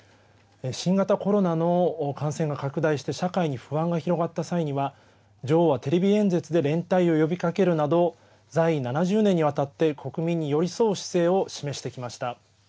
新型コロナの感染が拡大して社会に不安が広がった際には女王はテレビ演説で連帯を呼びかけるなど在位７０年にわたって国民に寄り添う姿勢を示してきました。